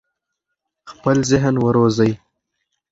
خپل ذهن وروزی.